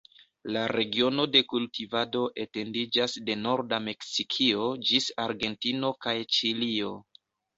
La regiono de kultivado etendiĝas de norda Meksikio ĝis Argentino kaj Ĉilio.